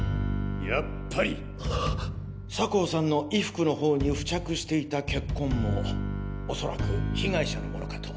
やっぱり！酒匂さんの衣服の方に付着していた血痕もおそらく被害者のものかと。